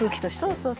「そうそう。